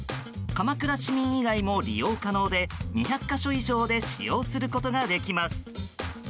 鎌倉市民以外も利用可能で２００か所以上で使用することができます。